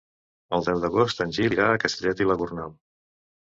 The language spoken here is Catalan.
El deu d'agost en Gil irà a Castellet i la Gornal.